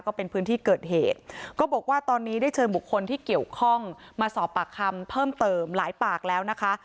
ก็เป็นพื้นที่เกิดเหตุก็บอกว่าตอนนี้ได้เชิญบุคคลที่เกี่ยวข้องมาสอบปากคำเพิ่มเติมหลายปากแล้วนะคะ